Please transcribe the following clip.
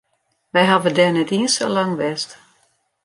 We hawwe dêr net iens sa lang west.